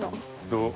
どう？